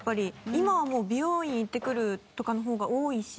今はもう「美容院行ってくる」とかの方が多いし。